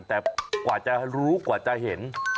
แต่กว่าจะรู้กว่าจะเห็น